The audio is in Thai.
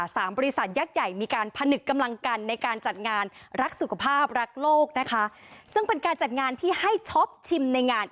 บริษัทยักษ์ใหญ่มีการผนึกกำลังกันในการจัดงานรักสุขภาพรักโลกนะคะซึ่งเป็นการจัดงานที่ให้ช็อปชิมในงาน